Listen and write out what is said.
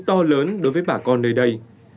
to lớn đối với bà con nơi đây